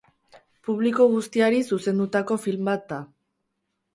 Publiko guztiari zuzendutako film bat da.